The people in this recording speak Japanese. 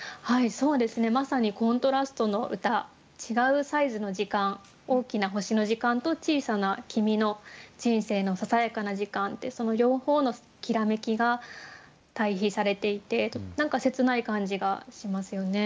違うサイズの時間大きな星の時間と小さな君の人生のささやかな時間ってその両方のきらめきが対比されていて何か切ない感じがしますよね。